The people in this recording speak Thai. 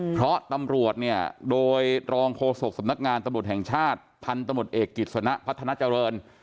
เพราะตำรวจเนี่ยโดยรองโฆษกสำนักงานตำรวจแห่งชาติพันธุ์ตำรวจเอกกิจสนะพัฒนาเจริญ